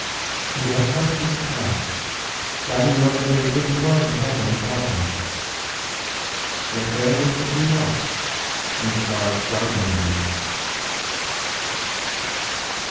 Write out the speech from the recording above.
He looked up to the sky, doubting whether there really was a heaven above him. Yet there was the blue arch, and the stars brightening in it.